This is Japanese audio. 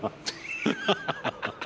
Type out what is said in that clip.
ハハハハ。